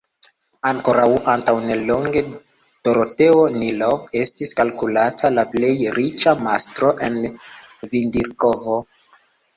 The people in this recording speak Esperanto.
Ankoraŭ antaŭ nelonge Doroteo Nilov estis kalkulata la plej riĉa mastro en Vindirkovo.